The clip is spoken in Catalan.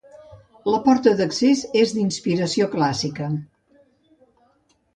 La porta d'accés és d'inspiració clàssica.